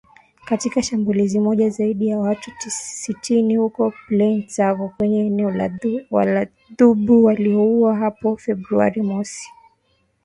Katika shambulizi moja, zaidi ya watu sitini huko Plaine Savo kwenye eneo la Djubu waliuawa hapo Februari mosi